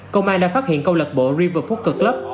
công an đã phát hiện công lập bộ river poker club